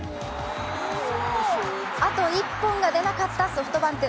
あと一本が出なかったソフトバンク。